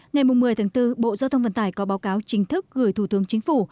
ngày một mươi tháng bốn bộ giao thông vận tải có báo cáo chính thức gửi thủ tướng chính phủ